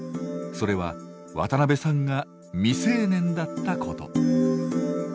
それは渡部さんが未成年だったこと。